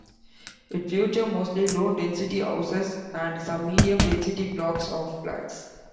It features mostly low density houses and some medium density blocks of flats.